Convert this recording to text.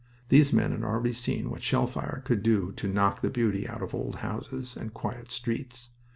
These men had already seen what shellfire could do to knock the beauty out of old houses and quiet streets.